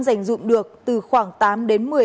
giành dụng được từ khoảng tám đến